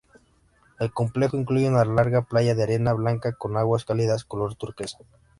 El complejo incluye una larga playa de arena blanca con aguas cálidas color turquesa.